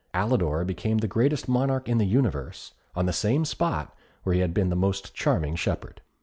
Alidor became the greatest monarch in the universe, on the same spot where he had been the most charming shepherd.